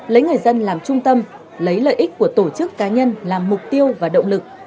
lấy người dân làm trung tâm lấy lợi ích của tổ chức cá nhân làm mục tiêu và động lực